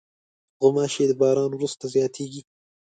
غوماشې د باران وروسته زیاتې کېږي.